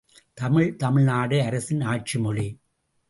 தமிழ், தமிழ்நாடு அரசின் ஆட்சிமொழி!